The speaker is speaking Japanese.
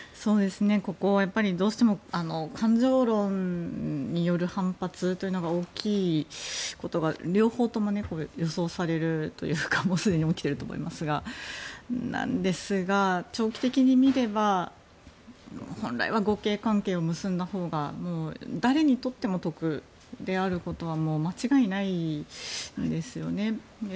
ここはどうしても感情論による反発というのが大きいことが両方とも予想されるというかすでに起きていると思いますがそうなんですが、長期的に見れば本来は互恵関係を結んだほうが誰にとっても得であることは間違いないんですよね。